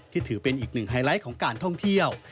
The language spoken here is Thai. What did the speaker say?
ถือเป็นอีกหนึ่งไฮไลท์ของการท่องเที่ยว